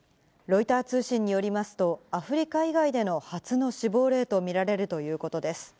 ロイター通信によりますと、アフリカ以外での初の死亡例と見られるということです。